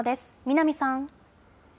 南さん。